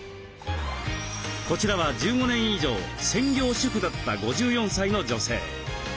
こちらは１５年以上専業主婦だった５４歳の女性。